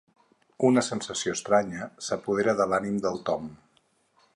Una sensació estranya s'apodera de l'ànim del Tom.